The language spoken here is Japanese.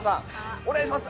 お願いします。